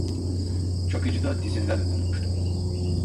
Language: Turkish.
Çakıcı da dizinden vurulmuştu.